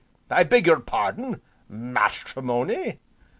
I beg your pardon, matrimony?"